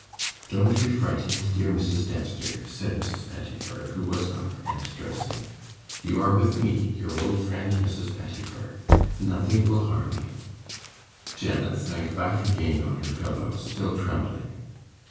'Don't be frightened, dear Mrs. Dempster,' said Mrs. Pettifer, who was up and dressing, 'you are with me, your old friend, Mrs. Pettifer. Nothing will harm you.' Janet sank back again on her pillow, still trembling.